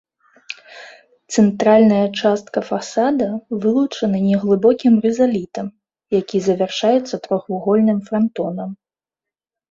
Цэнтральная частка фасада вылучана неглыбокім рызалітам, які завяршаецца трохвугольным франтонам.